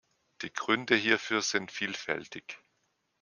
Die Gründe hierfür sind vielfältig.